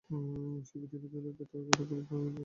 যে সেই বিধিলিপিকে ব্যর্থ করে সে পুরুষ নামের যোগ্য নয়।